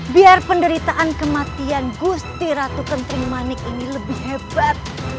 biar penderitaan kematian gusti ratu kenting manik ini lebih hebat